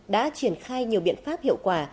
đã triển khai nhiều biện pháp hiệu quả